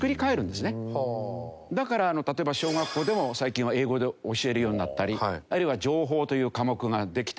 だから例えば小学校でも最近は英語で教えるようになったりあるいは「情報」という科目ができたり。